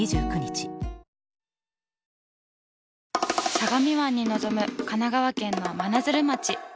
相模湾に臨む神奈川県の真鶴町。